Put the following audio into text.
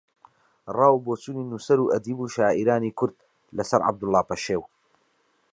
ڕاو بۆچوونی نووسەر و ئەدیب و شاعیرانی کورد لە سەر عەبدوڵڵا پەشێو